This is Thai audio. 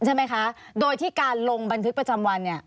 ใช่ไหมคะโดยที่การลงบันทึกประจำวันเนี่ย